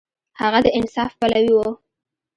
هغه د انصاف پلوی و.